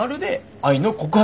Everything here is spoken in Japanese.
愛の告白？